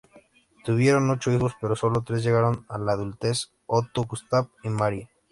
Tuvieron ocho hijos, pero solo tres llegaron a la adultez: Otto, Gustav y Marie.